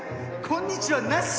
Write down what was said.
「こんにちは」なし？